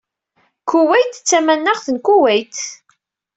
Kuweyt d tamanaɣt n Kuweyt.